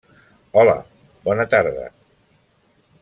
Hola, bona tarda!